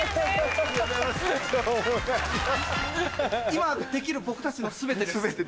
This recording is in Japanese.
今できる僕たちの全てです。